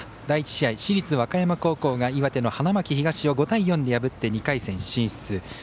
第１試合、市立和歌山高校が岩手の花巻東を５対４で破って２回戦進出。